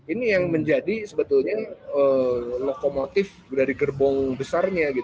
ini yang menjadi sebetulnya lokomotif dari gerbong besarnya